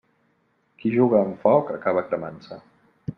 Qui juga amb foc acaba cremant-se.